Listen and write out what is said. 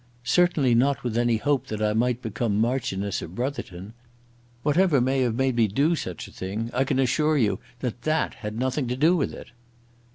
"Certainly not with any hope that I might become Marchioness of Brotherton. Whatever may have made me do such a thing, I can assure you that that had nothing to do with it."